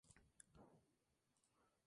Trabaja para Funimation y Sentai Filmworks.